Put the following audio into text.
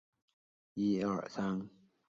陈汝康为海宁十庙前陈氏迁居后的六代祖。